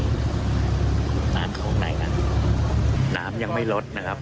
น้ำข้างในนั้นน้ำยังไม่ลดนะครับ